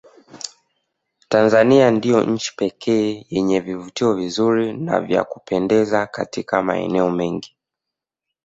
Tanzania ndio nchi pekee yenye vivutio vinzuri na vya kupendeza Katika maeneo mengi